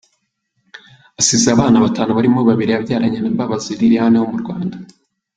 Asize abana batanu barimo babiri yabyaranye na Mbabazi Lilian wo mu Rwanda.